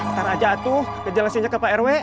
ntar aja atuh ngejelasinnya ke pak rw